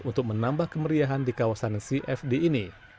untuk menambah kemeriahan di kawasan cfd ini